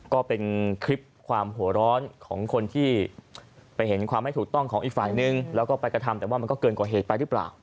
ก็เป็นคลิปความหัวร้อนของคนที่ไปเห็นความไม่ถูกต้องของอีกฝ่ายนึงแล้วก็ไปกระทำแต่ว่ามันก็เกินกว่าเหตุไปหรือเปล่า